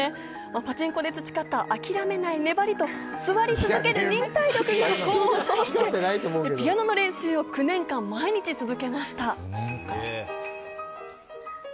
パチンコで培った諦めない粘りと座り続ける忍耐力を駆使してピアノの練習を９年間毎日続けました。